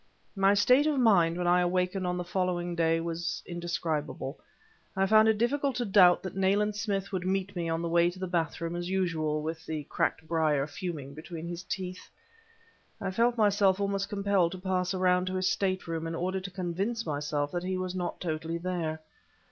My state of mind when I awakened on the following day was indescribable; I found it difficult to doubt that Nayland Smith would meet me on the way to the bathroom as usual, with the cracked briar fuming between his teeth. I felt myself almost compelled to pass around to his stateroom in order to convince myself that he was not really there.